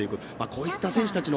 こういった選手たち